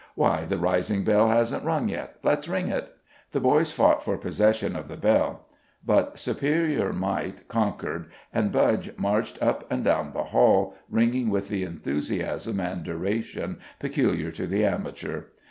"Why, the rising bell hasn't rung yet! Let's ring it!" The boys fought for possession of the bell; but superior might conquered, and Budge marched up and down the hall, ringing with the enthusiasm and duration peculiar to the amateur.